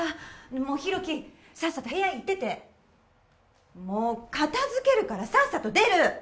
もう広樹さっさと部屋行っててもう片づけるからさっさと出る！